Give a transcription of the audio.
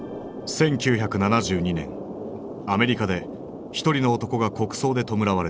１９７２年アメリカで一人の男が国葬で弔われた。